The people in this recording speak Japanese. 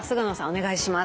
お願いします。